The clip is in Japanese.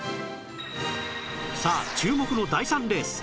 さあ注目の第３レース